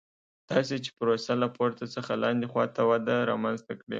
داسې چې پروسه له پورته څخه لاندې خوا ته وده رامنځته کړي.